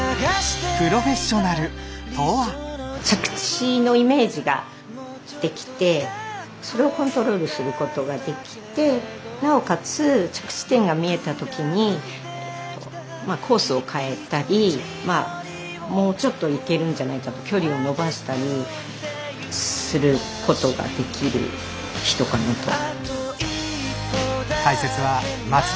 着地のイメージができてそれをコントロールすることができてなおかつ着地点が見えた時にコースを変えたりもうちょっといけるんじゃないかと距離をのばしたりすることができる人かなと。